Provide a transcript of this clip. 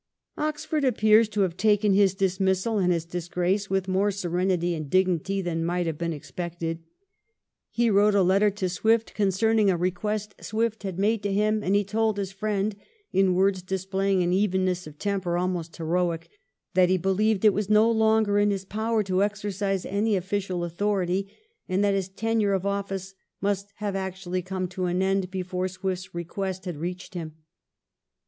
Oxford appears to have taken his dismissal and his disgrace with more serenity and dignity than might have been expected. He wrote a letter to Swift concerning a request Swift had made to him, and he told his friend, in words displaying an evenness of temper almost heroic, that he believed it was no longer in his power to exercise any official authority, and that his tenure of office must have actually come to an end before Swift's request had reached him.